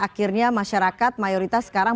akhirnya masyarakat mayoritas sekarang